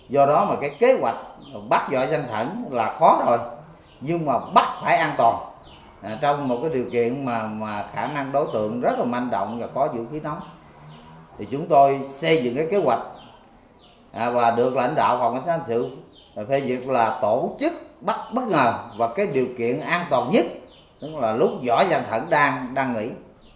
do đó mà cái kế hoạch bắt või danh thẩn là khó rồi nhưng mà bắt phải an toàn trong một cái điều kiện mà khả năng đối tượng rất là manh động và có vũ khí nóng thì chúng tôi xây dựng cái kế hoạch và được lãnh đạo phòng xét xã hội sự phê duyệt là tổ chức bắt bất ngờ và cái điều kiện an toàn nhất là lúc või danh thẩn đang nghỉ